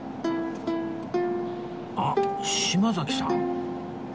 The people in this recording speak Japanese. あっ島崎さん